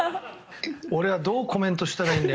俺はどうコメントしたらいいんだよ。